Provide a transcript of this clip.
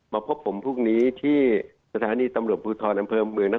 มาพบผมภ